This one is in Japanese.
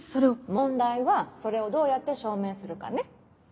問題はそれをどうやって証明するかね。